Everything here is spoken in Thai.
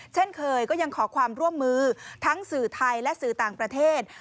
เช่นเคยก็ยังขอความร่วมมือทั้งสื่อไทยและสื่อต่างประเทศ